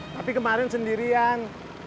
tapi kemarin sendirian